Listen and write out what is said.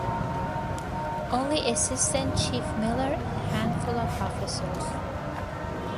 Only assistant chief Miller and a handful of officers.